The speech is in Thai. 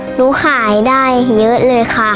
หนูขายได้เยอะเลยค่ะ